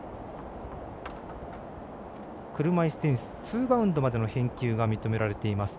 車いすテニスツーバウンドまでの返球が認められています。